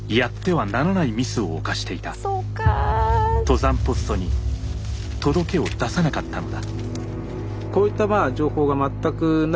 登山ポストに届けを出さなかったのだ。